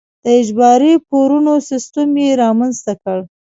د اجباري پورونو سیستم یې رامنځته کړ.